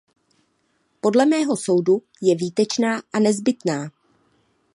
Podle mého soudu je výtečná a nezbytná.